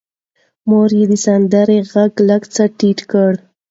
مور یې د سندرې غږ لږ څه ټیټ کړ.